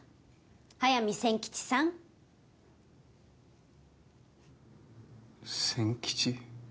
速水仙吉さん仙吉？